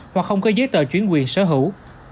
hoặc không có giấy tờ chuyển quyền sở hữu